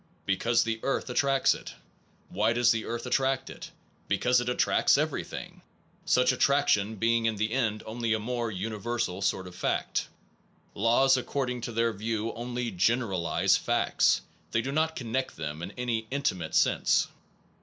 Because the earth attracts it. Why does the earth attract it? Because it attracts everything such attraction being in the end only a more universal sort of fact. Laws, ac cording to their view, only generalize facts, they do not connect them in any intimate sense.